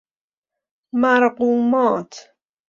مرقومات